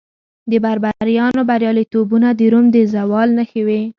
د بربریانو بریالیتوبونه د روم د زوال نښې وې